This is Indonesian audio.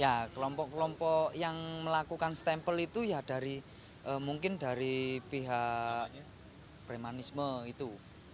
ya kelompok kelompok yang melakukan stempel itu ya dari mungkin dari pihak premanisme itu